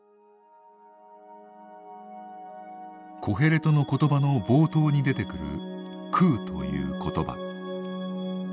「コヘレトの言葉」の冒頭に出てくる「空」という言葉。